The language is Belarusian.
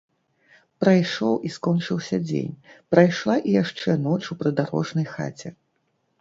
Прайшоў і скончыўся дзень, прайшла і яшчэ ноч у прыдарожнай хаце.